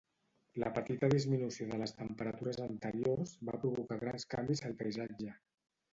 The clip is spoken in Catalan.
La petita disminució de les temperatures anteriors va provocar grans canvis al paisatge.